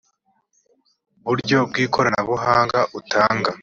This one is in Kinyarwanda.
buryo bw ikoranabuhanga utanga